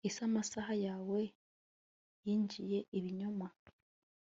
Ese amasaha yawe yinjiye Ibinyoma